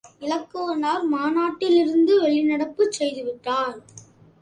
இலக்குவனார் மாநாட்டிலிருந்து வெளிநடப்புச் செய்துவிட்டார்!